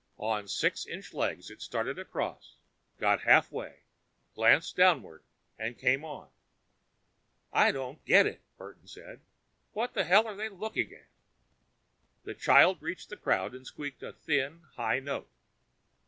On six inch legs, it started across, got halfway, glanced downward and came on. "I don't get it," Burton said. "What in hell are they looking at?" The child reached the crowd and squeaked a thin, high note.